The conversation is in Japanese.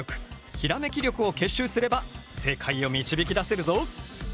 ひらめき力を結集すれば正解を導き出せるぞ。